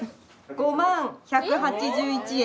５万１８１円。